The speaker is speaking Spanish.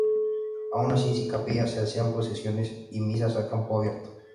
Aún sin capilla se hacían procesiones y misas a campo abierto.